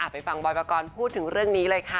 ไปฟังบอยปกรณ์พูดถึงเรื่องนี้เลยค่ะ